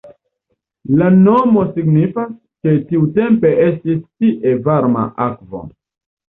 La nomo signifas, ke tiutempe estis tie varma akvo.